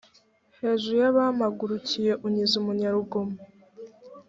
hejuru y abampagurukiye unkiza umunyarugomo